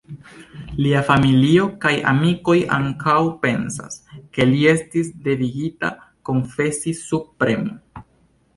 Lia familio kaj amikoj ankaŭ pensas, ke li estis devigita konfesi sub premo.